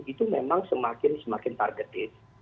itu memang semakin semakin target